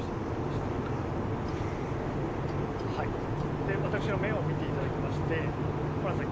で私の目を見ていただきましてホランさん